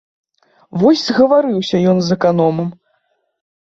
Вось згаварыўся ён з аканомам.